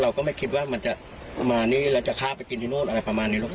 เราก็ไม่คิดว่ามันจะมานี่แล้วจะฆ่าไปกินที่โน้นอะไรประมาณนี้